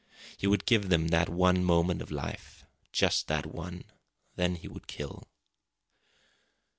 He would give them that one moment of life just that one. Then he would kill.